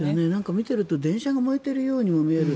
見ていると電車が燃えているようにも見える。